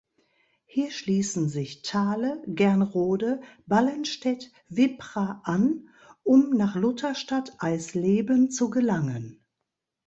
Hier schließen sich Thale, Gernrode, Ballenstedt, Wippra an, um nach Lutherstadt Eisleben zu gelangen.